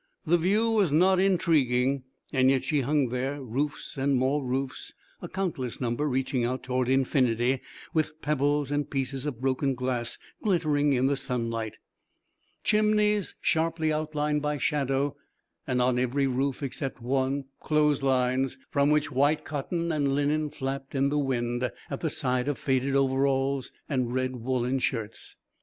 The view was not intriguing, and yet she hung there: roofs and more roofs, a countless number reached out toward infinity, with pebbles and pieces of broken glass glittering in the sunlight; chimneys sharply outlined by shadow; and on every roof, except one, clothes lines, from which white cotton and linen flapped in the wind at the side of faded overalls and red woollen shirts.